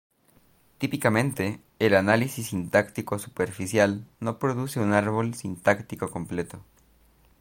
Típicamente, el análisis sintáctico superficial no produce un árbol sintáctico completo.